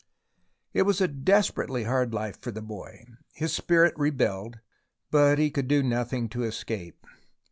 It was a desperately hard life for the boy. His spirit rebelled, but he could do nothing to escape.